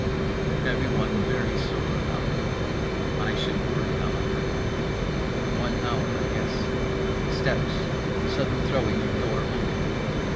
Everyone very sore about me. I should worry, however. One hour, I guess. Steps. Sudden throwing of door open.